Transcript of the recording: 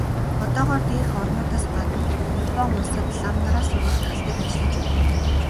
Одоогоор дээрх орнуудаас гадна Япон улсад лам нараа сургах тал дээр ажиллаж байна.